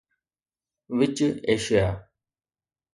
which Asia